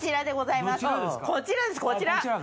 こちらですこちら。